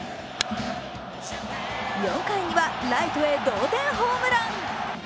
４回にはライトへ同点ホームラン。